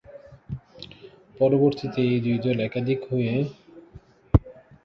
পরবর্তীতে এই দুই দল একীভূত হয়ে পাকিস্তান আওয়ামী মুসলিম লীগ গঠন করে এবং হোসেন শহীদ সোহরাওয়ার্দী এর আহবায়ক নিযুক্ত হন।